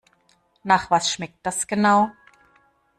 Nach was schmeckt das genau?